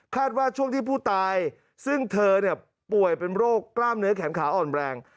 ว่าช่วงที่ผู้ตายซึ่งเธอป่วยเป็นโรคกล้ามเนื้อแขนขาอ่อนแรง